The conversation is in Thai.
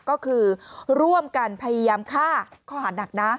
ก็คือร่วมกันพยายามฆ่าข้อหานักนะ